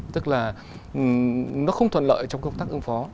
tức là nó không thuận lợi trong công tác ứng phó